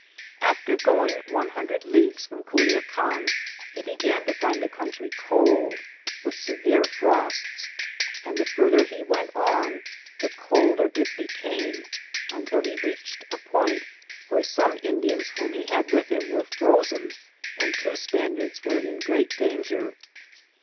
After going 100 leagues from Culuacan, he began to find the country cold, with severe frosts, and the farther he went on the colder it became, until he reached a point where some Indians whom he had with him were frozen, and two Span iards were in great danger.